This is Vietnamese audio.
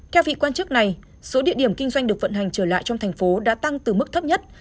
theo vị quan chức này số địa điểm kinh doanh được vận hành trở lại trong thành phố đã tăng từ mức thấp nhất